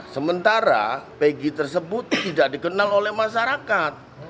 sementara pegi tersebut tidak dikenal oleh masyarakat